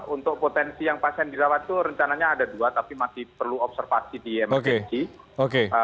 untuk potensi yang pasien dirawat itu rencananya ada dua tapi masih perlu observasi di msg